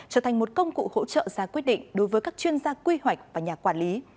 trở thành một công cụ hỗ trợ ra quyết định đối với các chuyên gia quy hoạch và nhà quản lý